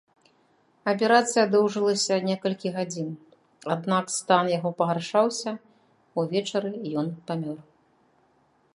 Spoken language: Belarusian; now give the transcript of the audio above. Аперацыя доўжылася некалькі гадзін, аднак стан яго пагаршаўся, увечары ён памёр.